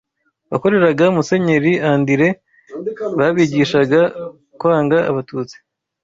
wakoreraga Musenyeri Andiré babigishaga kwanga abatutsi